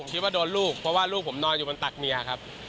คิดว่าโดนลูกเพราะว่าลูกผมนอนอยู่บนตักเมียครับ